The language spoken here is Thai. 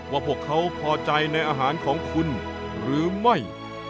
ว่าพวกเขาพอใจในอาหารของคุณหรือไม่